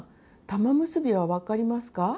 玉結びは分かりますか？